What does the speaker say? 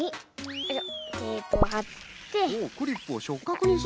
よいしょ。